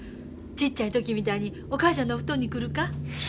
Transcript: ちっちゃい時みたいにお母ちゃんのお布団に来るか？